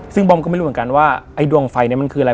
ซึ่งบอมก็ไม่รู้เหมือนกันว่าไอ้ดวงไฟเนี่ยมันคืออะไร